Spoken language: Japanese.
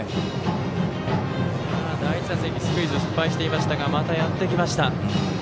第１打席スクイズを失敗しましたがまたやってきました。